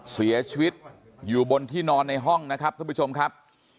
เสียชีวิตอยู่บนที่นอนในห้องนะครับท่านผู้ชมครับ